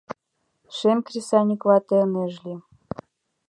Шем кресаньык вате ынеж лий